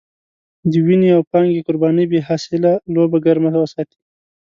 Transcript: د وينې او پانګې قربانۍ بې حاصله لوبه ګرمه وساتي.